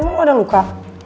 emang lu gak ada luka